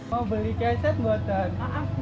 mau beli keset mbak ton